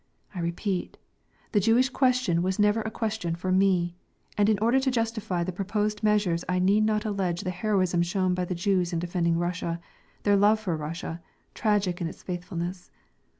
I repeat, the Jewish question was never a question for me, and in order to justify the proposed measures I need not allege the heroism shown by the Jews in defending Russia, their love for Russia, tragic in its faithfulness.